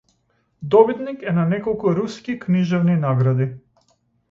Добитник е на неколку руски книжевни награди.